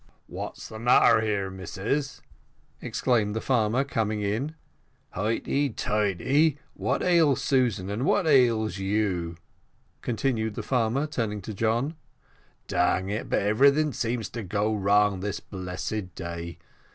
"What's the matter here, missus?" exclaimed the farmer, coming in. "Highty tighty, what ails Susan, and what ails you?" continued the farmer, turning to John. "Dang it, but everything seems to go wrong this blessed day.